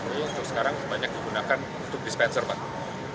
untuk sekarang banyak digunakan untuk dispenser pak